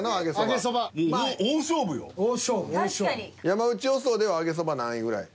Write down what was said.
山内予想では揚げそば何位ぐらい？